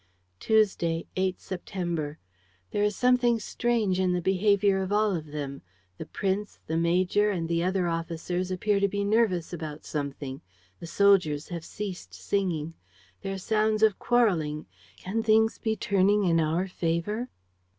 "Tuesday, 8 September. "There is something strange in the behavior of all of them. The prince, the major and the other officers appear to be nervous about something. The soldiers have ceased singing. There are sounds of quarreling. Can things be turning in our favor?"